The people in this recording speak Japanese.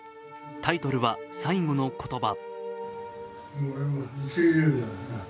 タイトルは「最期の言葉」。